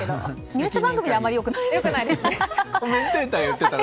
ニュース番組では良くないですね。